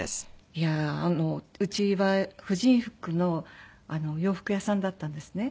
いやああのうちは婦人服のお洋服屋さんだったんですね。